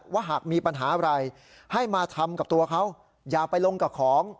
ว่าหากมีปัญหาอะไรให้มาทำกับตัวเขาอย่าไปลงกับของ